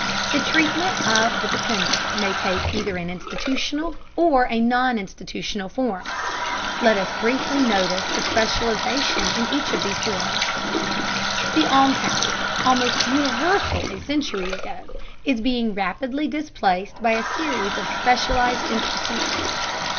The treatment of the dependent may take either an institutional or a non institutional form. Let us briefly notice the specialization in each of these forms. The almshouse, almost universal a century ago, is being rapidly displaced by a series of specialized institutions.